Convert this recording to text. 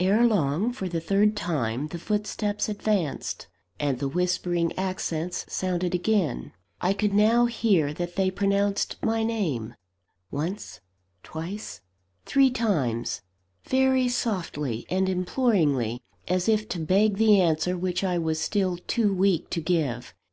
Ere long, for the third time, the footsteps advanced, and the whispering accents sounded again. I could now hear that they pronounced my name once, twice, three times very softly and imploringly, as if to beg the answer which I was still too weak to give.